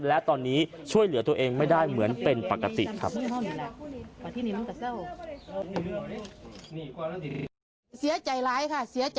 และตอนนี้ช่วยเหลือตัวเองไม่ได้เหมือนเป็นปกติครับ